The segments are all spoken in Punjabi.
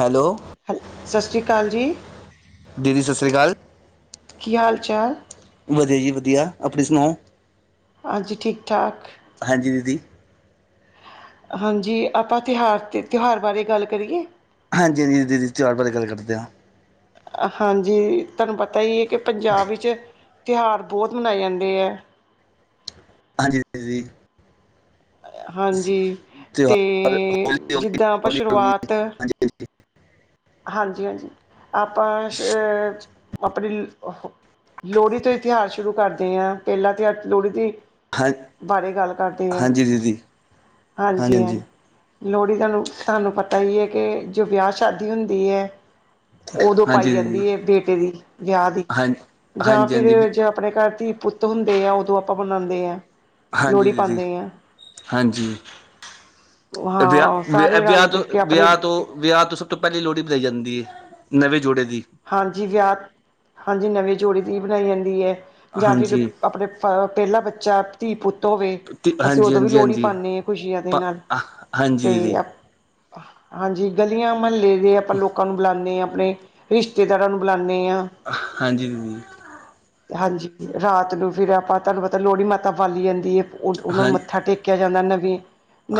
ਹੈਲੋ ਹੈਲ ਸਤਿ ਸ਼੍ਰੀ ਅਕਾਲ ਜੀ। ਦੀਦੀ ਸਤਿ ਸ਼੍ਰੀ ਅਕਾਲ। ਕੀ ਹਾਲ ਚਾਲ। ਵਧੀਆ ਜੀ ਵਧੀਆ ਆਪਣੀ ਸੁਣਾਓ ਹਾਂਜੀ ਠੀਕ ਠਾਕ। ਹਾਂਜੀ ਦੀਦੀ ਹਾਂਜੀ ਆਪਾਂ ਤਿਉਹਾਰ 'ਤੇ ਤਿਉਹਾਰ ਬਾਰੇ ਗੱਲ ਕਰੀਏ। ਹਾਂਜੀ ਹਾਂਜੀ ਦੀਦੀ ਤਿਉਹਾਰ ਬਾਰੇ ਗੱਲ ਕਰਦੇ ਹਾਂ। ਹਾਂਜੀ ਤੁਹਾਨੂੰ ਪਤਾ ਹੀ ਹੈ ਕਿ ਪੰਜਾਬ ਵਿੱਚ ਤਿਉਹਾਰ ਬਹੁਤ ਮਨਾਏ ਜਾਂਦੇ ਹੈ ਹਾਂਜੀ ਨਵੀ ਹਾਂਜੀ ਤੇ ਤਿਉਹਾਰ ਹੋਲੀ ਹੋ ਗਈ ਜਿੱਦਾਂ ਆਪਾਂ ਦੀਵਾਲੀ ਹੋ ਗਈ ਸ਼ੁਰੂਆਤ ਹਾਂਜੀ ਹਾਂਜੀ ਹਾਂਜੀ ਆਪਾਂ ਹਾਂਜੀ ਅ ਆਪਣੀ ਲੋਹੜੀ ਤੋਂ ਹੀ ਤਿਉਹਾਰ ਸ਼ੁਰੂ ਕਰਦੇ ਹਾਂ, ਪਹਿਲਾ ਤਿਉਹਾਰ ਲੋਹੜੀ ਤੇ ਹੀ ਹਾਂ ਬਾਰੇ ਗੱਲ ਕਰਦੇ ਆਂ, ਹਾਂਜੀ ਦੀਦੀ ਹਾਂਜੀ ਹਾਂ ਲੋਹੜੀ ਤੁਹਾਨੂੰ ਤੁਹਾਨੂੰ ਪਤਾ ਹੀ ਏ ਕੇ, ਜੋ ਵਿਆਹ ਸ਼ਾਦੀ ਹੁੰਦੀ ਏ। ਉਦੋਂ ਪਾਈ ਹਾਂਜੀ ਹਾਂਜੀ ਦੀਦੀ ਜਾਂਦੀ ਏ, ਬੇਟੇ ਦੀ ਵਿਆਹ ਦੀ ਹਾਂ ਹਾਂਜੀ ਜਾਂ ਹਾਂਜੀ ਵੀ- ਫਿਰ ਜ ਆਪਣੇ ਘਰ ਧੀ ਪੁੱਤ ਹੁੰਦੇ ਆ ਉਦੋਂ ਆਪਾਂ ਮਨਾਉਂਦੇ ਹਾਂ। ਹਾਂਜੀ ਲੋਹੜੀ ਦੀਦੀ ਪਾਉਂਦੇ ਹਾਂ ਹਾਂਜੀ ਹਾਂ ਵਿਆਹ ਸਾਰੇ ਵਿਆਹ ਰਲ ਮਿਲ ਤੋਂ ਕੇ ਆਪਣੇ ਵਿਆਹ ਤੋਂ ਵਿਆਹ ਤੋਂ ਸਭ ਤੋਂ ਪਹਿਲੀ ਲੋਹੜੀ ਮਨਾਈ ਜਾਂਦੀ ਏ, ਨਵੇਂ ਜੋੜੇ ਦੀ। ਹਾਂਜੀ ਵਿਆਹ, ਹਾਂਜੀ ਨਵੇਂ ਜੋੜੇ ਦੀ ਬਣਾਈ ਜਾਂਦੀ ਐ ਜਾਂ ਫਿਰ ਹਾਂਜੀ ਆਪਣੇ ਪ-ਪਹਿਲਾ ਬੱਚਾ ਧੀ ਪੁੱਤ ਹੋਵੇ। ਤੇ ਅਸੀਂ ਹਾਂਜੀ ਉਦੋਂ ਵੀ ਹਾਂਜੀ ਲੋਹੜੀ ਹਾਂਜੀ ਪਾਨੇ ਆਂ ਖੁਸ਼ੀਆਂ ਦੇ ਪ ਨਾਲ। ਹਾਂਜੀ ਤੇ ਦੀਦੀ ਅ ਹਾਂਜੀ ਗਲੀਆਂ ਮਹੱਲੇ ਦੇ ਆਪਾਂ ਲੋਕਾਂ ਨੂੰ ਬੁਲਾਉਂਦੇ ਹਾਂ ਆਪਣੇ ਰਿਸ਼ਤੇਦਾਰਾਂ ਨੂੰ ਬੁਲਾਉਂਨੇ ਆਂ। ਹਾਂਜੀ ਦੀਦੀ ਹਾਂਜੀ ਰਾਤ ਨੂੰ ਫਿਰ ਆਪਾਂ ਤੁਹਾਨੂੰ ਪਤਾ ਲੋਹੜੀ ਮਾਤਾ ਬਾਲੀ ਜਾਂਦੀ ਏ। ਉਹਨਾਂ ਨੂੰ ਹਾਂ ਮੱਥਾ ਟੇਕਿਆ ਜਾਂਦਾ ਨਵੀਂ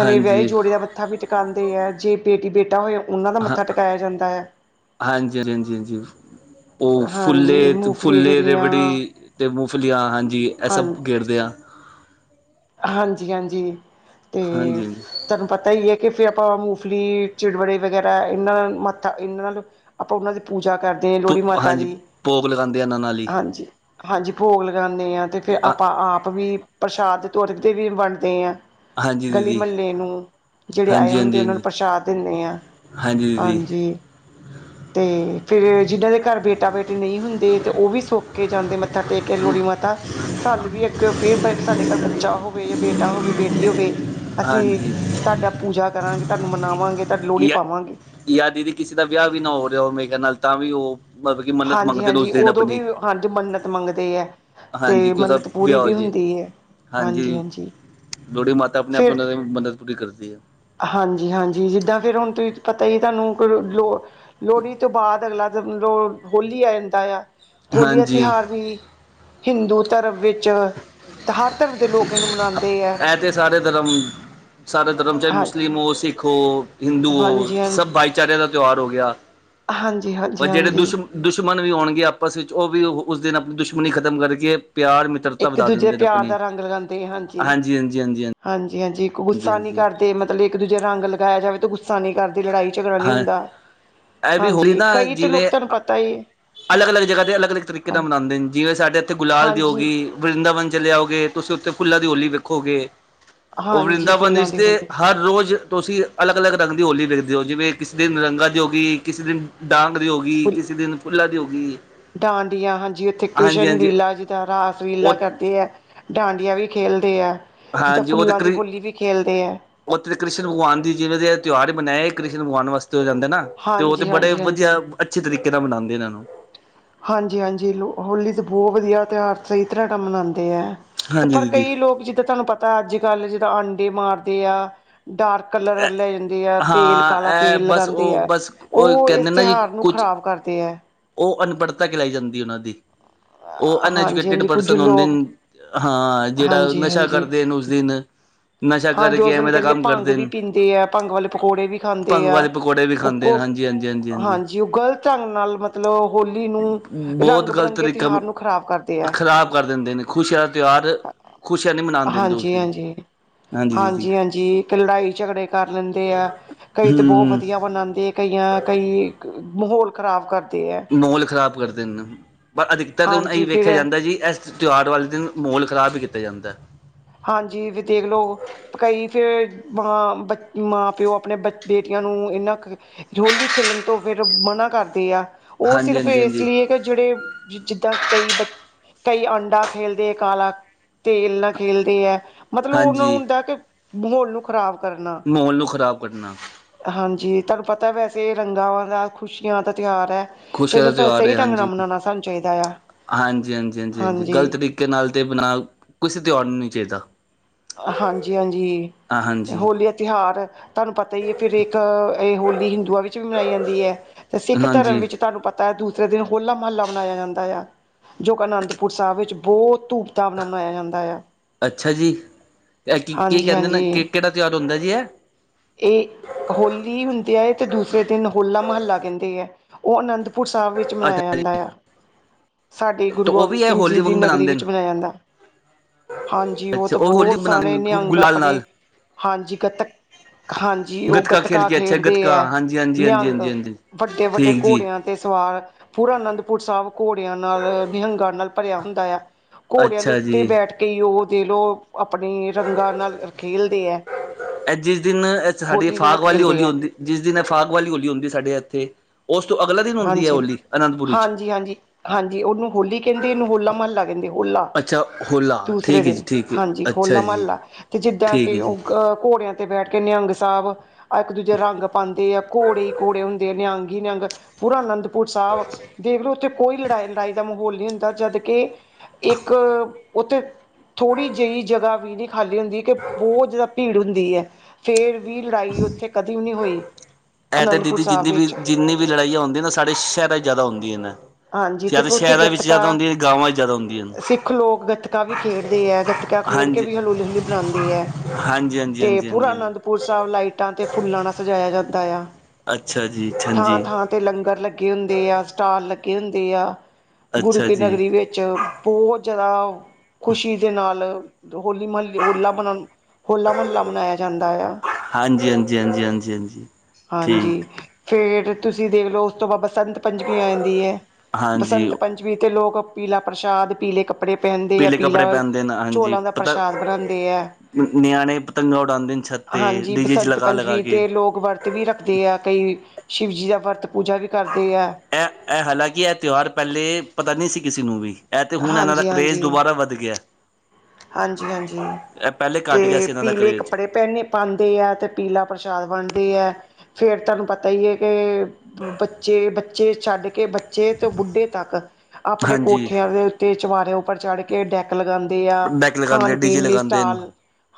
ਨਵੇਂ ਵਿਆਹੇ ਹਾਂਜੀ ਜੋੜੇ ਦਾ ਮੱਥਾ ਵੀ ਟਕਾਉਂਦੇ ਏ, ਜੇ ਬੇਟੀ ਬੇਟਾ ਹੋਏ ਉਹਨਾਂ ਦਾ ਹਾਂ ਮੱਥਾ ਟਕਾਇਆ ਜਾਂਦਾ ਏ। ਹਾਂਜੀ ਹਾਂ ਹਾਂਜੀ ਹਾਂਜੀ ਉਹ ਫੁੱਲੇ ਹਾਂਜੀ ਮੂੰਗਫਲੀ ਫੁੱਲੇ ਦੇ ਜਿਹੜੀਆਂ ਬੜੀ ਤੇ ਮੂੰਗਫਲੀਆ ਹਾਂਜੀ, ਇਹ ਹਾਂ ਸਭ ਗੇਰਦੇ ਆ। ਹਾਂਜੀ ਹਾਂਜੀ ਤੇ ਹਾਂਜੀ ਹਾਂਜੀ ਤੁਆਨੁਪ ਪਤਾ ਹੀ ਏ, ਕਿ ਫਿਰ ਆਪਾਂ ਮੂੰਗਲੀ ਚਿੜਬੜੇ ਵਗੈਰਾ ਇਹਨਾਂ ਨਾਲ ਮੱਥਾ ਇਹਨਾਂ ਨਾਲ ਆਪਾਂ ਉਹਨਾਂ ਦੀ ਪੂਜਾ ਕਰਦੇ ਆ, ਲੋਹੜੀ ਮਾਤਾ ਹਾਂਜੀ ਦੀ। ਭੋਗ ਲਗਾਉਂਦੇ ਆ ਇਹਨਾਂ ਨਾਲ ਹੀ ਹਾਂਜੀ। ਹਾਂਜੀ, ਭੋਗ ਲਗਾਨੇ ਆਂ, ਤੇ ਫਿਰ ਆਪਾਂ ਆਪ ਵੀ ਪ੍ਰਸ਼ਾਦ ਦੇ ਤੌਰ ਤੇ ਵੀ ਵੰਡਦੇ ਆਂ। ਹਾਂਜੀ ਗਲੀ ਦੀਦੀ ਮਹੱਲੇ ਨੂੰ ਜਿਹੜੇ ਆਏ ਹਾਂਜੀ ਹੁੰਦੇ ਹਾਂਜੀ ਉਹਨਾਂ ਨੂੰ ਹਾਂਜੀ ਪ੍ਰਸ਼ਾਦ ਦਿੰਨੇ ਆਂ, ਹਾਂਜੀ। ਤੇ ਫੇਰ, ਜਿਨਾਂ ਦੇ ਘਰ ਬੇਟਾ ਬੇਟੀ ਨਹੀਂ ਹੁੰਦੇ ਤੇ ਉਹ ਵੀ ਸੁੱਖ ਕੇ ਜਾਂਦੇ ਮੱਥਾ ਟੇਕ ਕਿ ਲੋਹੜੀ ਮਾਤਾ, ਸਾਨੂੰ ਵੀ ਅੱਗੇਓਂ ਫਿਰ ਬਏ ਸਾਡੇ ਘਰ ਬੱਚਾ ਹੋਵੇ ਯਾ ਬੇਟਾ ਹੋਵੇ, ਬੇਟੀ ਹੋਵੇ। ਅਸੀਂ ਹਾਂਜੀ ਤਾਡਾ ਪੂਜਾ ਕਰਾਂਗੇ, ਤਾਨੂੰ ਮਨਾਵਾਂਗੇ, ਤਾਡੀ ਲੋਹੜੀ ਪਾਵਾਂਗੇ। ਯਾ ਦੀਦੀ ਕਿਸੇ ਦਾ ਵਿਆਹ ਵੀ ਨਾ ਹੋ ਰਿਹਾ ਹੋਵੇ, ਮੈਂ ਕਿਆ ਨਾਲ ਤਾਂ ਵੀ ਉਹ ਮਤਲਬ ਕਿ ਮੰਨਤ ਹਾਂਜੀ ਮੰਗਦੇ ਨੇ ਉਸ ਹਾਂਜੀ, ਦਿਨ ਉਦੋਂ ਵੀ ਆਪਣੀ ਹਾਂਜ ਮੰਨਤ ਮੰਗਦੇ ਐ। ਹਾਂਜੀ ਤੇ ਕਿ ਉਹਦਾ ਮੰਨਤ ਪੂਰੀ ਵਿਆਹ ਹੋ ਵੀ ਜੇ ਹੁੰਦੀ ਏ। ਹਾਂਜੀ ਹਾਂਜੀ। ਲੋੋੜੀ ਮਾਤਾ ਆਪਣੇ ਆਪ ੳਹਨਾ ਦੀ ਮੰਨਦ ਪੂਰੀ ਕਰਦੀ ਏ। ਹਾਂਜੀ ਹਾਂਜੀ ਜਿੱਦਾਂ ਫਿਰ ਹੁਣ ਤੁਹੀ ਤਾ ਪਤਾ ਹੀ ਆ ਤਾਨੂੰ ਲੋ ਲੋਹੜੀ ਤੋਂ ਬਾਅਦ ਅਗਲਾ ਜ-ਲੋ ਹੋਲੀ ਆ ਜਾਂਦਾ ਆ। ਹੋਲੀ ਦਾ ਹਾਂਜੀ ਤਿਉਹਾਰ ਵੀ ਹਿੰਦੂ ਧਰਮ ਵਿੱਚ ਚ, ਹਰ ਧਰਮ ਦੇ ਲੋਕ ਇਨੂੰ ਮਨਾਦੇ ਐ ਐ ਤੇ ਸਾਰੇ ਧਰਮ ਸਾਰੇ ਧਰਮ ਚਾਹੇ ਹਾਂ ਮੁਸਲਿਮ ਹੋ ਸਿੱਖ ਸਿੱਖ ਹੋ, ਹਿੰਦੂ ਹੋ, ਸਭ ਹਾਂਜੀ-ਹਾਂਜੀ ਭਾਈਚਾਰੇ ਦਾ ਤਿਉਹਾਰ ਹੋ ਗਿਆ। ਪਰ ਜਿਹੜੇ ਹਾਂਜੀ-ਹਾਂਜੀ-ਹਾਂਜੀ ਦੁਸ਼ਮਣ ਦੁਸ਼ਮਣ ਵੀ ਆਉਣਗੇ ਆਪਸ ਵਿੱਚ ਉਹ ਵੀ ਉਹ ਉਸ ਦਿਨ ਆਪਣੀ ਦੁਸ਼ਮਣੀ ਖ਼ਤਮ ਕਰਕੇ ਪਿਆਰ ਮਿੱਤਰ ਇੱਕ ਦੂਜੇ ਪਿਆਰ ਦਾ ਰੰਗ ਲਗਾਂਦੇ ਹਾਂਜੀ ਜੀ-ਹਾਂਜੀ ਹਾਂਜੀ ਹਾਂਜੀ। ਹਾਂਜੀ ਹਾਂਜੀ। ਇਕ ਗੁੱਸਾ ਨੀ ਕਰਦੇ, ਮਤਲਬ ਇੱਕ ਦੂਜੇ ਰੰਗ ਲਗਾਇਆ ਜਾਵੇ ਤੇ ਗੁੱਸ ਸਾ ਨੀ ਕਰਦੇ, ਲੜਾਈ ਝਗੜਾ ਨੀ ਹਾਂ ਹੁੰਦਾ। ਇਹ ਵੀ ਹਾਂਜੀ, ਕਈ ਤਾਂ ਲੋਕ ਤੁਹਾਨੂੰ ਪਤਾ ਈ ਐ ਅੱਲਗ ਅੱਲਗ ਜਗ੍ਹਾ ਤੇ, ਅੱਲਗ ਅੱਲਗ ਤਰੀਕੇ ਨਾਲ ਮਨਾਂਦੇ ਨੇ, ਜਿਵੇਂ ਸਾਡੇ ਇੱਥੇ ਗੁਲਾਲ ਦੀ ਹਾਂਜੀ ਹੋਗੀ ਵਰਿੰਦਾਵਨ ਚਲੇ ਜਾਓਗੇ, ਤੁਸੀਂ ਉੱਥੇ ਫੁੱਲਾ ਦੀ ਹੋਲੀ ਵੇਖੋਗੇ ਉਹ ਹਾਂਜੀ ਵਰਿੰਦਾਵਨ ਫੁੱਲਾਂ ਇਚ ਦੀ ਤੇ ਹੋਲੀ ਹਰ ਰੋਜ਼ ਤੁਸੀਂ ਅਲੱਗ ਅਲੱਗ ਰੰਗ ਦੀ ਹੋਲੀ ਵੇਖਦੇ ਓ, ਜਿਵੇਂ ਕਿਸੀ ਦਿਨ ਰੰਗਾ ਦੀ ਹੋਗੀ, ਕਿਸੀ ਦਿਨ ਡਾਂਗ ਦੀ ਹੋ ਗੀ, ਫੁੱਲ ਕਿਸੇ ਦਿਨ ਫੁੱਲਾਂ ਦੀ ਹੋ ਗੀ ਡਾਂਡੀਆਂ, ਹਾਂਜੀ ਇਥੇ ਕ੍ਰਿਸ਼ਨ ਲੀਲਾ ਜੀ ਦਾ, ਰਾਸ ਲੀਲਾ ਉਹ ਕਰਦੇ ਐ। ਡਾਂਡੀਆਂ ਵੀ ਖੇਲਦੇ ਐ। ਹਾਂਜੀ, ਉਹ ਤੇ ਕ੍ਰੀ ਓ ਤੇ ਕ੍ਰਿਸ਼ਨ ਭਗਵਾਨ ਦੀ ਜਿਵੇਂ ਦੇ ਐ, ਤਿਉਹਾਰ ਹੀ ਮਨਾਏ, ਕ੍ਰਿਸ਼ਨ ਭਗਵਾਨ ਵਾਸਤੇ ਹੋ ਜਾਂਦੇ ਨਾ। ਤੇ ਉਹ ਤੇ ਹਾਂਜੀ ਬੜੇ ਹਾਂਜੀ ਵਧੀਆ, ਹਾਂਜੀ ਅੱਛੇ ਤਰੀਕੇ ਨਾ ਮਨਾਂਦੇ ਨੇ ਏਨੂੰ। ਹਾਂਜੀ ਹਾਂਜੀ ਲੋ ਹੋਲੀ ਤਾਂ ਬਹੁਤ ਵਧੀਆ ਤਿਉਹਾਰ ਸਹੀ ਤਰ੍ਹਾਂ ਨਾ ਮਨਾਂਦੇ ਐ। ਤੇ ਹਾਂਜੀ ਪਰ ਦੀਦੀ ਕਈ ਲੋਕ ਜਿੱਦਾਂ ਤਾਨੂੰ ਪਤਾ ਅੱਜ ਕੱਲ੍ਹ ਜਿਦਾਂ ਅੰਡੇ ਮਾਰਦੇ ਆ। ਡਾਰਕ ਕਲਰ ਲੈ ਜਾਂਦੇ ਆ, ਤੇਲ ਹਾਂ ਕਾਲਾ ਇਹ ਤੇਲ ਬਸ ਲਗਾਂਦੇ ਉਹ ਐ। ਬਸ ਉਹ ਇਸ ਕਹਿੰਦੇ ਨਾ ਜੀ ਤਿਉਹਾਰ ਨੂੰ ਕੁਛ ਖ਼ਰਾਬ ਕਰਦੇ ਐ। ਉਹ ਅਨਪੜ੍ਹਤਾ ਕਹਿਲਾਈ ਜਾਂਦੀ ਉਹਨਾਂ ਦੀ। ਉਹ ਅਨਐਜੂਕੇਟਿਡ ਹਾਂਜੀ-ਹਾਂਜੀ ਕੁੱਝ ਪਰਸਨ ਹੋਂਦੇ ਲੋਕ ਨੇ ਅ-ਹਾਂ, ਜਿਹੜਾ ਹਾਂਜੀ-ਹਾਂਜੀ ਨਸ਼ਾ ਹਾਂਜੀ ਕਰਦੇ ਨ ਉਸ ਦਿਨ ਨਸ਼ਾ ਹਾਂਜੀ ਕਰਕੇ, ਉਸ ਦਿਨ ਐਵੇਂ ਦਾ ਕਹਿੰਦੇ ਕੰਮ ਭੰਗ ਕਰਦੇ ਵੀ ਨੇ ਪੀਂਦੇ ਆ ਭੰਗ ਵਾਲੇ ਪਕੌੜੇ ਵੀ ਖਾਂਦੇ ਭੰਗ ਆ ਵਾਲੇ ਪਕੌੜੇ ਵੀ ਖਾਂਦੇ ਨੇ ਹਾਂਜੀ। ਹਜੀ-ਹਾਂਜੀ- ਹਾਂਜੀ- ਹਾਂਜੀ। ਜੇ ਉਹ ਗ਼ਲਤ ਢੰਗ ਨਾਲ ਮਤਲਬ ਹੋਲੀ ਨੂੰ, ਰੰਗ ਬਿਰੰਗੇ ਤਿਉਹਾਰ ਨੂੰ ਖ਼ਰਾਬ ਕਰਦੇ ਐ। ਖਰਾਬ ਕਰ ਦਿੰਦੇ ਨੇ। ਖੁਸ਼ੀਆਂ ਦਾ ਤਿਉਹਾਰ ਖੁਸ਼ੀਆਂ ਨੀ ਮਨਾਨ ਦਿੰਦੇ ਉਸ ਦਿਨ। ਹਾਂਜੀ-ਹਾਂਜੀ ਹਾਂਜੀ ਹਾਂਜੀ ਇੱਕ ਲੜਾਈ ਝਗੜੇ ਕਰ ਲੈਂਦੇ ਆ। ਕਈ ਤੇ ਬਹੁਤ ਹਮ ਵਧੀਆ ਬਣਾਂਦੇ ਐ। ਕਇਆਂ ਕਈ ਮਹੋਲ ਖਰਾਬ ਕਰਦੇ ਐ। ਮਹੋਲ ਖ਼ਰਾਬ ਕਰਦੇ ਨੇ ਨਾ। ਪਰ ਅਧਿਕਤਰ ਹੁਣ ਐਈ ਹਾਂਜੀ ਫਿਰ ਵੇਖਿਆ ਜਾਂਦਾ ਜੀ, ਇਸ ਤਿਉਹਾਰ ਵਾਲੇ ਦਿਨ ਮਹੌਲ ਖਰਾਬ ਵੀ ਕੀਤਾ ਜਾਂਦੈ। ਹਾਂਜੀ ਵੀ ਦੇਖ ਲੋ ਕਈ ਫੇਰ ਮ ਬ ਮਾਂ ਪਿਓ ਆਪਣੇ ਬ ਬੇਟੀਆਂ ਨੂੰ ਇਨਾਂ। ਰੋਲੀ ਖੇਲਣ ਤੋਂ ਫਿਰ ਮਨਾ ਕਰਦੇ ਆ ਉਹ ਹਾਂਜੀ ਸਿਰਫ ਹਾਂਜੀ ਇਸ ਹਾਂਜੀ ਲਈ ਏ ਕਿ ਜਿਹੜੇ। ਜਿੱਦਾਂ ਕਈ ਬ ਕਈ ਆਂਡਾ ਖੇਲਦੇ ਹੈ ਕਾਲਾ ਤੇਲ ਨਾਲ ਖੇਲਦੇ ਹੈ। ਮਤਲਬ ਉਹਨਾਂ ਨੂੰ ਹਾਂਜੀ ਹੁੰਦਾ ਕਿ ਮਾਹੌਲ ਨੂੰ ਖ਼ਰਾਬ ਕਰਨਾ। ਮਾਹੌਲ ਨੂੰ ਖ਼ਰਾਬ ਕਰਨਾ। ਹਾਂਜੀ ਤੁਹਾਨੂੰ ਪਤਾ ਵੈਸੇ ਰੰਗਾਂ ਦਾ ਖੁਸ਼ੀਆਂ ਦਾ ਤਿਉਹਾਰ ਹੈ। ਤੇ ਖ਼ੁਸ਼ੀਆਂ ਦਾ ਇਹਨੂੰ ਤਿਉਹਾਰ ਸਹੀ ਹੈ ਢੰਗ ਨਾਲ ਹਾਂਜੀ- ਮਨਾਉਣਾ ਸਾਨੂੰ ਚਾਹੀਦਾ ਆ ਹਾਂਜੀ- ਹਾਂਜੀ- ਹਾਂਜੀ- ਹਾਂਜੀ ਗ਼ਲਤ ਤਰੀਕੇ। ਕਿ ਨਾਲ ਦੇ [inaudible] ਕਿਸੇ ਤਿਉਹਾਰ ਨੂੰ ਨਹੀਂ ਚਾਹੀਦਾ। ਹਾਂਜੀ- ਹਾਂਜੀ ਹਾਂਜੀ ਹੋਲੀ। ਤਿਉਹਾਰ ਤੁਹਾਨੂੰ ਪਤਾ ਹੀ ਹੈ ਫਿਰ ਇੱਕ ਇਹ ਹੋਲੀ ਹਿੰਦੂਆਂ ਵਿੱਚ ਵੀ ਮਨਾਈ ਜਾਂਦੀ ਹੈ। ਤੇ ਸਿੱਖ ਧਰਮ ਹਾਂਜੀ ਵਿੱਚ ਤੁਹਾਨੂੰ ਪਤਾ ਹੈ ਦੂਸਰੇ ਦਿਨ ਹੋਲਾ ਮਹੱਲਾ ਮਨਾਇਆ ਜਾਂਦਾ ਆ। ਜੋ ਕਿ ਅਨੰਦਪੁਰ ਸਾਹਿਬ ਵਿੱਚ ਬਹੁਤ ਧੂਮ ਧਾਮ ਨਾਲ ਮਨਾਇਆ ਜਾਂਦਾ ਆ। ਅੱਛਾ ਜੀ, ਏ ਕੀ ਕੀ ਹਾਂਜੀ ਕਹਿੰਦੇ ਨੇ ਕਿ ਹਾਂਜੀ ਕਿਹੜਾ ਤਿਉਹਾਰ ਹੁੰਦਾ ਜੀ ਇਹ? ਇਹ ਹੋਲੀ ਹੁੰਦੀ ਹੈ ਤੇ ਦੂਸਰੇ ਦਿਨ ਹੋਲਾ ਮਹੱਲਾ ਕਹਿੰਦੇ ਹੈ। ਉਹ ਅਨੰਦਪੁਰ ਸਾਹਿਬ ਵਿੱਚ ਮਨਾਇਆ ਅੱਛਾ ਜੀ ਜਾਂਦਾ ਆ। ਸਾਡੀ ਗੁਰੂ ਤੇ ਉਹ ਗੋਬਿੰਦ ਵੀ ਇਹ ਸਿੰਘ ਜੀ ਹੋਲੀ ਦੀ ਵਾਂਗ ਨਗਰੀ ਮਨਾਉਂਦੇ ਨੇ ਵਿੱਚ ਮਨਾਇਆ ਜਾਂਦਾ। ਹਾਂਜੀ, ਉਹ ਅੱਛਾ ਤਾਂ ਹੋਲੀ ਬਹੁਤ ਸਾਰੇ ਮਨਾਉਂਦੇ ਨਿਹੰਗ ਗੁਲਾਲ ਆਪਣੇ ਨਾਲ ਹਾਂਜੀ ਗਤਕ। ਹਾਂਜੀ, ਉਹ ਖੇਲ ਗੱਤਕਾ ਕੇ ਅੱਛਾ ਖੇਡਦੇ ਗੱਤਕਾ ਹੈ ਹਾਂਜੀ ਹਾਂਜੀ ਹਾਂਜੀ ਨਿਹੰਗ ਹਾਂਜੀ ਹਾਂਜੀ ਵੱਡੇ- ਵੱਡੇ ਠੀਕ ਜੀ ਘੋੜਿਆਂ। ਤੇ ਸਵਾਰ ਪੂਰਾ ਅਨੰਦਪੁਰ ਸਾਹਿਬ ਘੋੜਿਆਂ ਨਾਲ ਨਿਹੰਗਾਂ ਨਾਲ ਭਰਿਆ ਹੁੰਦਾ ਆ। ਘੋੜਿਆਂ ਦੇ ਅੱਛਾ ਉੱਤੇ ਜੀ ਬੈਠ ਕੇ ਹੀ ਉਹ ਦੇਖ ਲਓ ਆਪਣੇ ਰੰਗਾਂ ਨਾਲ ਖੇਲਦੇ ਹੈ। ਇਹ ਜਿਸ ਦਿਨ ਇਹ ਸਾਡੀ ਹੋਲੀ ਦੇ ਨਾਲ ਫਾਗ ਵਾਲੀ ਖੇਲਦੇ ਹੋਲੀ ਹੈ ਹੁੰਦੀ। ਜਿਸ ਦਿਨ ਫਾਗ ਵਾਲੀ ਹੋਲੀ ਹੁੰਦੀ ਸਾਡੇ ਇੱਥੇ। ਉਸ ਤੋਂ ਅਗਲਾ ਦਿਨ? ਹੁੰਦੀ ਹੈ ਹਾਂਜੀ, ਹੋਲੀ ਅਨੰਦਪੁਰੀ 'ਚ ਹਾਂਜੀ ਹਾਂਜੀ, ਹਾਂਜੀ ਉਹਨੂੰ ਹੋਲੀ ਕਹਿੰਦੇ। ਇਹਨੂੰ ਹੋਲਾ ਮਹੱਲਾ ਕਹਿੰਦੇ ਹੋਲਾ। ਅੱਛਾ ਹੋਲਾ ਦੂਸਰੇ ਠੀਕ ਹੈ ਦਿਨ ਜੀ ਠੀਕ ਹੈ ਹਾਂਜੀ ਅੱਛਾ ਹੋਲਾ ਜੀ ਮਹੱਲਾ ਤੇ ਜਿੱਦਾਂ ਠੀਕ ਹੈ ਕਿ ਜੀ ਉਹ। ਘੋੜਿਆਂ ਤੇ ਬੈਠ ਕੇ ਨਿਹੰਗ ਸਾਹਿਬ। ਆ ਇੱਕ ਦੂਜੇ ਦੇ ਰੰਗ ਪਾਉਂਦੇ ਆ ਘੋੜੇ ਹੀ ਘੋੜੇ ਹੁੰਦੇ ਆ ਨਿਹੰਗ ਹੀ ਨਿਹੰਗ। ਪੂਰਾ ਅਨੰਦਪੁਰ ਸਾਹਿਬ ਦੇਖਲੋ ਉੱਥੇ ਕੋਈ ਲੜਾਈ ਵੜਾਈ ਦਾ ਮਾਹੌਲ ਨਹੀਂ ਹੁੰਦਾ ਜਦ ਕਿ। ਇੱਕ ਉੱਥੇ ਥੋੜ੍ਹੀ ਜਿਹੀ ਜਗ੍ਹਾ ਵੀ ਨਹੀਂ ਖਾਲੀ ਹੁੰਦੀ ਕਿ ਬਹੁਤ ਜ਼ਿਆਦਾ। ਭੀੜ ਹੁੰਦੀ ਹੈ। ਫੇਰ ਵੀ ਲੜਾਈ ਉੱਥੇ ਕਦੇ ਵੀ ਨਹੀਂ ਹੋਈ। ਇਹ ਤੇ ਅਨੰਦਪੁਰ ਦੀਦੀ ਸਾਹਿਬ ਜਿੰਨੀ ਵੀ ਵਿੱਚ ਜਿੰਨੀ ਵੀ ਲੜਾਈਆਂ ਹੁੰਦੀਆਂ ਨਾ ਸਾਡੇ ਸ਼ਹਿਰਾਂ 'ਚ ਜ਼ਿਆਦਾ ਹੁੰਦੀਆਂ ਨੇ। ਹਾਂਜੀ ਜਾਂ ਤੇ ਤਾਂ ਫਿਰ ਉੱਥੇ ਸ਼ਹਿਰਾਂ ਵਿੱਚ ਗੱਤਕਾ ਜ਼ਿਆਦਾ ਹੁੰਦੀਆਂ ਗਾਵਾਂ 'ਚ ਜ਼ਿਆਦਾ ਹੁੰਦੀਆਂ ਹਨ ਸਿੱਖ ਲੋਕ ਗੱਤਕਾ ਵੀ ਖੇਡਦੇ ਹੈ ਗੱਤਕਾ। ਗੱਤਕਾ ਖੇਡ ਕੇ ਹਾਂਜੀ ਵੀ ਹੌਲੀ ਹੌਲੀ ਬਣਾਉਂਦੇ ਹਾਂ। ਹਾਂਜੀ ਹਾਂਜੀ ਹਾਂਜੀ ਹਾਂ। ਪੂਰਾ ਅਨੰਦਪੁਰ ਸਾਹਿਬ ਲਾਈਟਾਂ ਤੇ ਫੁੱਲਾਂ ਨਾਲ ਸਜਾਇਆ ਜਾਂਦਾ ਆ। ਅੱਛਾ ਜੀ ਅੱਛਾ ਹਾਂਜੀ। ਥਾਂ-ਥਾਂ ਤੇ ਲੰਗਰ ਲੱਗੇ ਹੁੰਦੇ ਆ, ਸਟਾਲ ਲੱਗੇ ਹੁੰਦੇ ਆ, ਗੁਰੂ ਅੱਛਾ ਕੇ ਜੀ ਨਗਰੀ ਵਿੱਚ। ਬਹੁਤ ਜ਼ਿਆਦਾ। ਖੁਸ਼ੀ ਦੇ ਨਾਲ ਹੋਲੀ ਮਹੱਲ ਹੋਲਾ ਮਨਾਉਣ ਹੋਲਾ ਮਹੱਲਾ ਮਨਾਇਆ ਜਾਂਦਾ ਆ। ਹਾਂਜੀ ਹਾਂਜੀ ਹਾਂਜੀ ਹਾਂਜੀ ਹਾਂਜੀ। ਹਾਂਜੀ ਠੀਕ ਫੇਰ ਤੁਸੀਂ ਦੇਖਲਓ ਉਸ ਤੋਂ ਬਾਬਾ ਸੰਤ। ਬਸੰਤ ਪੰਚਮੀ ਆ ਜਾਂਂਦੀ ਹੈ। ਹਾਂਜੀ ਬਸੰਤ ਪੰਚਮੀ ਤੇ ਲੋਕ ਪੀਲਾ ਪ੍ਰਸ਼ਾਦ, ਪੀਲੇ ਕੱਪੜੇ। ਕੱਪੜੇ ਪਹਿਨਦੇ ਆ ਪੀਲੇ ਕੱਪੜੇ ਪੀਲਾ ਪਹਿਨਦੇ ਨੇ ਹਾਂਜੀ ਚੌਲਾਂ ਦਾ ਪਤਾ ਪ੍ਰਸ਼ਾਦ ਬਣਾਉਂਦੇ ਆ। ਨਿਆਣੇ ਪਤੰਗਾਂ ਉਡਾਦੇ ਨੇ ਛੱਤੇ ਤੇ ਹਾਂਜੀ ਡੀ ਜੇ 'ਚ ਬਸੰਤ ਲਗਾ ਲਗਾ ਪੰਚਮੀ ਕੇ। ਤੇ ਲੋਕ ਵਰਤ ਵੀ ਰੱਖਦੇ ਹੈ। ਕਈ ਸ਼ਿਵਜੀ ਦਾ ਵਰਤ ਪੂਜਾ ਵੀ ਕਰਦੇ ਹੈ। ਇਹ ਇਹ ਹਾਲਾਂਕਿ ਇਹ ਤਿਉਹਾਰ ਪਹਿਲੇ ਪਤਾ ਨਹੀਂ ਸੀ ਕਿਸੇ ਨੂੰ ਵੀ। ਇਹ ਤੇ ਹੁਣ ਇਹਨਾਂ ਦਾ ਹਾਂਜੀ ਕਰੇਜ਼ ਹਾਂਜੀ ਦੁਬਾਰਾ ਵੱਧ ਗਿਆ ਹੈ। ਹਾਂਜੀ ਹਾਂਜੀ ਗਿਆ ਤੇ ਸੀ ਇਹਨਾਂ ਦਾ ਪੀਲੇ ਕਰੇਜ਼ ਕੱਪੜੇ ਪਹਿਨੇ। ਪਾਉਂਦੇ ਹੈ ਤੇ ਪੀਲਾ ਪ੍ਰਸ਼ਾਦ ਵੰਡਦੇ ਹੈ। ਫੇਰ ਤੁਹਾਨੂੰ ਪਤਾ ਹੀ ਹੈ ਕਿ ਬੱਚੇ ਬੱਚੇ ਛੱਡ ਕੇ। ਬੱਚੇ ਤੋਂ ਬੁੱਢੇ ਤੱਕ ਆਪਣੇ ਹਾਂਜੀ ਕੋਠਿਆਂ ਦੇ ਉੱਤੇ ਚਵਾਰਿਆਂ ਉੱਪਰ ਚੜ ਕੇ। ਲਗਾਉਂਦੇ ਆ, ਡੈਕ ਲਗਾਉਂਦੇ ਖਾਣ ਡੀਜੇ ਪੀਣ ਲਈ ਲਗਾਉਂਦੇ ਨੇ ਸਟਾਲ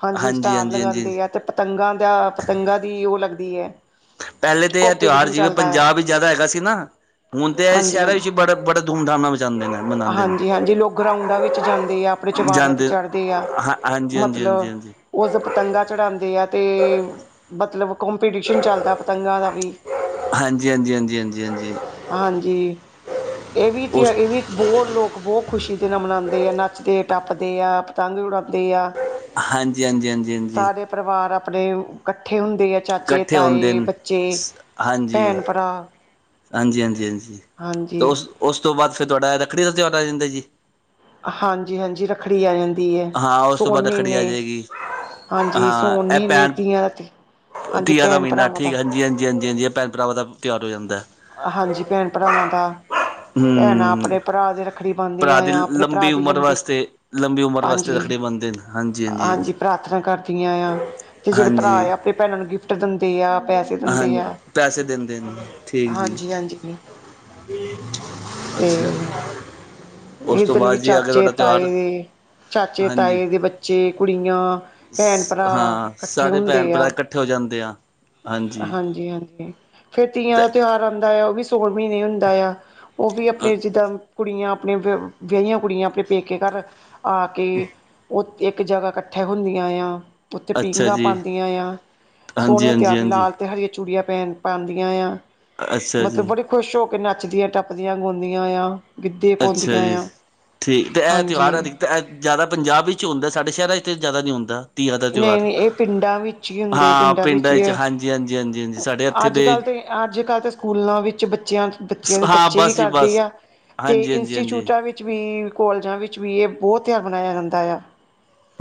ਹਾਂਜੀ ਸਟਾਲ ਹਾਂਜੀ ਹਾਂਜੀ ਲਗਾਉਂਦੇ, ਆ ਤੇ। ਪਤੰਗਾਂ ਦਾ ਪਤੰਗਾਂ ਦੀ ਉਹ ਲੱਗਦੀ ਹੈ। ਪਹਿਲੇ ਤਾਂ ਇਹ ਤਿਉਹਾਰ ਕੋਂਪੀਟੀਸ਼ਨ ਜਿਵੇਂ ਚੱਲਦਾ ਆ ਪੰਜਾਬ ਵਿੱਚ ਜ਼ਿਆਦਾ ਹੈਗਾ ਸੀ ਨਾ। ਹੁਣ ਤੇ ਇਹ ਹਾਂਜੀ ਸ਼ਹਿਰਾਂ ਹਾਂਜੀ ਵਿੱਚ ਬੜਾ ਬੜੇ ਧੂਮ ਧਾਮ ਨਾਲ ਮਚਾਉਂਦੇ ਨੇ ਮਨਾਉਂਦੇ ਨੇ। ਹਾਂਜੀ-ਹਾਂਜੀ ਲੋਕ ਗਰਾਊਂਡਾਂ ਵਿੱਚ ਜਾਂਦੇ ਆ ਆਪਣੇ ਚਬਾਰਿਆਂ ਤੇ ਜਾਂਦੇ ਚੜ੍ਹਦੇ ਆ ਹਾਂ ਹਾਂਜੀ ਹਾਂਜੀ ਹਾਂਜੀ ਮਤਲਬ। ਹਾਂਜੀ ਕੁਝ ਪਤੰਗਾ ਚੜਾਉਂਦੇ ਆ ਤੇ। ਮਤਲਬ ਕੰਪੀਟੀਸ਼ਨ ਚੱਲਦਾ ਪਤੰਗਾਂ ਦਾ ਵੀ। ਹਾਂਜੀ ਹਾਂਜੀ ਹਾਂਜੀ ਹਾਂਜੀ ਹਾਂਜੀ ਹਾਂਜੀ ਇਹ ਵੀ ਕੀ ਆ ਉਸ ਇਹ ਵੀ। ਬਹੁਤ ਲੋਕ ਬਹੁਤ ਖ਼ੁਸ਼ੀ ਦੇ ਨਾਲ ਮਨਾਉਂਦੇ ਆ ਨੱਚਦੇ, ਟੱਪਦੇ ਆ, ਪਤੰਗ ਉਡਾਉਂਦੇ ਆ। ਹਾਂਜੀ ਹਾਂਜੀ ਹਾਂਜੀ ਹਾਂਜੀ। ਸਾਰੇ ਪਰਿਵਾਰ ਆਪਣੇ ਇਕੱਠੇ ਹੁੰਦੇ ਆ। ਚਾਚੇ, ਇਕੱਠੇ ਹੁੰਦੇ ਤਾਏ, ਨੇ ਬੱਚੇ, ਹਾਂਜੀ ਭੈਣ, ਭਰਾ। ਹਾਂਜੀ ਹਾਂਜੀ ਹਾਂਜੀ ਤੋਂ ਹਾਂਜੀ ਉਸ ਉਸ ਤੋਂ ਬਾਅਦ ਫਿਰ ਤੁਹਾਡਾ ਰੱਖੜੀ ਦਾ ਤਿਉਹਾਰ ਆ ਜਾਂਦਾ ਜੀ। ਹਾਂਜੀ ਹਾਂਜੀ ਰੱਖੜੀ ਆ ਜਾਂਦੀ ਹੈ ਹਾਂ ਉਸ ਤੋਂ ਸਾਉਣ ਬਾਅਦ ਰੱਖੜੀ ਮਹੀਨੇ। ਆ ਜਾਏਗੀ ਹਾਂਜੀ ਸਾਉਣ ਮਹੀਨੇ ਤੀਆਂ ਤੇ। ਤੀਆ ਦਾ ਮਹੀਨਾ ਠੀਕ ਹੈ ਹਾਂਜੀ ਹਾਂਜੀ ਹਾਂਜੀ ਹਾਂਜੀ ਇਹ ਭੈਣ ਭਰਾਵਾ ਦਾ ਵੀ ਤਿਉਹਾਰ ਹੋ ਜਾਂਦਾ ਹੈ। ਹਾਂਜੀ ਭੈਣ ਭਰਾਵਾਂ ਦਾ ਭੈਣਾਂ ਹੂੰ ਆਪਣੇ ਭਰਾ ਦੇ ਰੱਖੜੀ। ਰੱਖੜੀ ਭਰਾ ਬਣਦੀਆਂ ਦੀ ਆ ਆਪਣੇ ਭਰਾ ਲੰਬੀ ਦੀ ਉਮਰ ਲੰਬੀ ਵਾਸਤੇ ਲੰਬੀ ਉਮਰ ਵਾਸਤੇ ਹਾਂਜੀ ਰੱਖੜੀ ਬੰਨਦੇ ਨੇ ਹਾਂਜੀ। ਪ੍ਰਾਰਥਨਾ ਕਰਦੀਆਂ ਆ ਤੇ ਜਿਹੜੇ ਹਾਂਜੀ ਭਰਾ ਹਾਂਜੀ ਆ ਆਪਣੇ ਭੈਣਾਂ ਨੂੰ ਗਿਫਟ ਦਿੰਦੇ ਆ ਪੈਸੇ ਦਿੰਦੇ ਹਾਂਜੀ ਆ। ਪੈਸੇ ਦਿੰਦੇ ਨੇ ਠੀਕ ਜੀ ਹਾਂਜੀ ਹਾਂਜੀ ਤੇ ਅੱਛਾ ਉਸ ਇਸ ਤੋਂ ਦਿਨ ਵੀ ਬਾਅਦ ਜੀ ਅਗਰ ਚਾਚੇ ਤੁਹਾਡਾ ਤਾਏ ਤਿਉਹਾਰ ਦੇ ਚਾਚੇ ਹਾਂਜੀ ਤਾਏ ਦੇ ਬੱਚੇ ਕੁੜੀਆਂ ਭੈਣ ਭਰਾ ਹਾਂ ਇਕੱਠੇ ਸਾਰੇ ਭੈਣ ਹੁੰਦੇ ਭਰਾ ਆ ਇਕੱਠੇ ਹੋ ਜਾਂਦੇ ਆ ਹਾਂਜੀ ਹਾਂਜੀ ਫੇਰ ਤੀਆਂ ਤੇ ਦਾ ਤਿਉਹਾਰ ਆਉਂਦਾ ਹੈ ਉਹ ਵੀ ਸਾਊਂਣ ਮਹੀਨੇ ਹੁੰਦਾ ਆ ਉਹ ਵੀ ਆਪਣੇ ਜਿੱਦਾਂ ਕੁੜੀਆਂ ਆਪਣੇ ਵਿਆਹੀਆਂ ਕੁੜੀਆਂ ਆਪਣੇ ਪੇਕੇ ਘਰ ਆ ਕੇ ਉਹ ਇੱਕ ਜਗ੍ਹਾ ਇਕੱਠੇ ਹੁੰਦੀਆਂ ਆ ਉੱਥੇ ਅੱਛਾ ਪੀਘਾਂ ਜੀ ਪਾਉਂਦੀਆਂ ਆ ਹਾਂਜੀ ਸੋਹਣੇ ਹਾਂਜੀ ਤਿਆਰ ਹਾਂਜੀ ਲਾਲ ਤੇ ਹਰੀਆ ਚੂੜੀਆਂ ਪੈਣ ਪਾਉਂਦੀਆਂ ਆ ਅੱਛਾ ਮਤਲਬ ਜੀ ਬੜੇ ਖੁਸ਼ ਹੋ ਕੇ ਨੱਚਦੀਆਂ ਟੱਪਦੀਆਂ ਗਾਉਂਦੀਆਂ ਆ ਗਿੱਧੇ ਅੱਛਾ ਪਾਉਂਦੀਆਂ ਜੀ ਆ ਠੀਕ ਤੇ ਇਹ ਹਾਂਜੀ ਤਿਉਹਾਰ ਜ਼ਿਆਦਾ ਪੰਜਾਬ ਵਿੱਚ ਹੁੰਦਾ ਸਾਡੇ ਸ਼ਹਿਰਾਂ ਚ ਜ਼ਿਆਦਾ ਨਹੀਂ ਹੁੰਦਾ ਤੀਆਂ ਦਾ ਨਹੀਂ ਤਿਉਹਾਰ ਨਹੀਂ ਇਹ ਪਿੰਡਾਂ ਵਿੱਚ ਹੀ ਹੁੰਦੇ ਹਾਂ ਪਿੰਡਾਂ ਹੀ ਵਿੱਚ ਹੈ ਹਾਂਜੀ ਹਾਂਜੀ ਹਾਂਜੀ ਹਾਂਜੀ ਸਾਡੇ ਇੱਥੇ ਅੱਜ ਦੇ ਕੱਲ੍ਹ ਤੇ ਅੱਜ ਕੱਲ੍ਹ ਤਾਂ ਸਕੂਲਾਂ ਵਿੱਚ ਬੱਚਿਆਂ ਬੱਚਿਆਂ ਦੇ ਹਾਂ ਬੱਚੇ ਵੀ ਬਸ ਜੀ ਕਰਦੇ ਬਸ। ਆ ਤੇ ਹਾਂਜੀ ਹਾਂਜੀ ਹਾਂਜੀ ਇੰਸਟੀਚਿਊਟਾਂ ਵਿੱਚ ਵਿੱਚ ਵੀ ਕੋਲਜਾਂ ਵਿੱਚ ਵੀ ਇਹ ਬਹੁਤ ਤਿਆਰ ਮਨਾਇਆ ਜਾਂਦਾ ਆ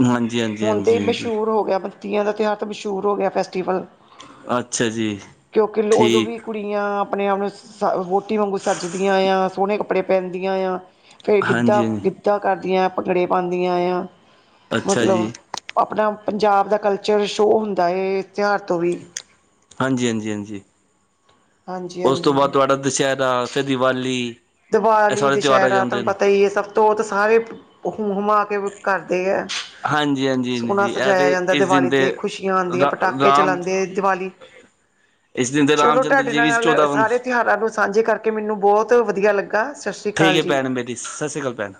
ਹਾਂਜੀ ਹਾਂਜੀ ਹਾਂਜੀ ਅਤੇ ਹਾਂਜੀ। ਮਸ਼ਹੂਰ ਹੋ ਗਿਆ ਤੀਆ ਤਿਉਹਾਰ ਤਾਂ ਮਸ਼ਹੂਰ ਹੋ ਗਿਆ ਫੈਸਟੀਵਲ ਅੱਛਾ ਜੀ ਕਿਉਂਕਿ ਉਦੋਂ ਵੀ ਠੀਕ ਕੁ ਕੁੜੀਆਂ ਆਪਣੇ ਆਪ ਨੂੰ ਸ ਵੋਟੀ ਵਾਂਗੂ ਸੱਜਦੀਆਂ ਆ ਸੋਹਣੇ ਕੱਪੜੇ ਪਹਿਨਦੀਆਂ ਆ ਫੇਿਰ ਗਿੱਧਾ ਹਾਂਜੀ ਹਾਂਜੀ ਗਿੱਧਾ ਕਰਦੀਆਂ ਭੰਗੜੇ ਪਾਉਂਦੀਆਂ ਆ ਅੱਛਾ ਮਤਲਬ ਜੀ ਆਪਣਾ ਪੰਜਾਬ ਦਾ ਕਲਚਰ ਸ਼ੋਅ ਹੁੰਦਾ ਇਸ ਤਿਉਹਾਰ ਤੋਂ ਵੀ ਹਾਂਜੀ ਹਾਂਜੀ ਹਾਂਜੀ ਹਾਂਜੀ ਉਸ ਤੋਂ ਹਾਂਜੀ ਬਾਅਦ ਤੁਹਾਡਾ ਦੁਸਹਿਰਾ ਫਿਰ ਦੀਵਾਲੀ ਇਹ ਦੀਵਾਲੀ ਸਾਰੇ ਤਿਉਹਾਰ ਆ ਦੁਸਹਿਰਾ ਜਾਂਦੇ ਤੁਹਾਨੂੰ ਨੇ। ਪਤਾ ਹੀ ਹੈ ਸਭ ਤੋਂ ਉਹ ਸਾਰੇ ਹ ਹੁਮਾ ਕਰਦੇ ਹੈ ਹਾਂਜੀ ਹਾਂਜੀ ਸੋਹਨਾ ਹਾਂਜੀ ਇਹ ਸਜਾਇਆ ਤੇ ਜਾਂਦਾ ਇਸ ਦਿਨ ਦਿਵਾਲੀ ਦੇ ਤੇ ਖੁਸ਼ੀਆਂ ਆਉਂਦੀਆਂ ਰਾ ਪਟਾਕੇ ਰਾਮ ਚਲਾਉਂਦੇ ਦਿਵਾਲੀ ਇਸ ਦਿਨ ਦੇ ਰਾਮ ਚਲੋ, ਚੰਦਰ ਤੁਹਾਡੇ ਜੀ ਵੀ ਨਾਲ ਚੌਦਾਂ ਸਾਰੇ ਤਿਉਹਾਰਾਂ ਨੂੰ ਸਾਂਝੇ ਕਰਕੇ ਮੈਨੂੰ ਬਹੁਤ ਵਧੀਆ ਲੱਗਾ। ਸ ਠੀਕ ਹੈ ਭੈਣ ਮੇਰੀ ਸਤਿ ਸ਼੍ਰੀ ਅਕਾਲ ਭੈਣ।